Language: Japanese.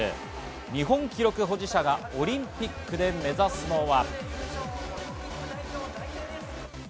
日本記録保持者がオリンピックで目指すのは。